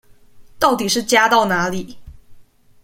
到底是加到哪裡